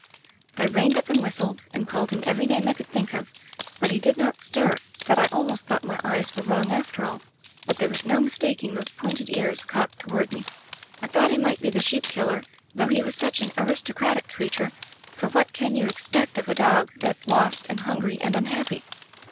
" I reined up and whistled, and called him every name I could think of, but he did not [ 153 ] Digitized by LjOOQ IC Interventions stir, so that I almost thought my eyes were wrong after all; but there was no mistaking those pointed ears cocked toward me. I thought he might be the sheep killer, though he was such an aristocratic creature, for what can you expect of a dog that's lost and hun gry and unhappy